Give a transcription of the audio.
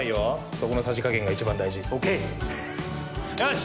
そこのさじ加減が一番大事ＯＫよし